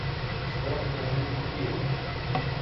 Что, говорю, купил?